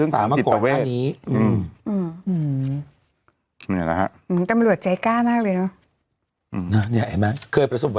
ในห่อนั่นจะเป็นปืนอะ